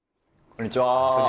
こんにちは。